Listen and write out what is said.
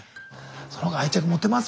その方が愛着持てます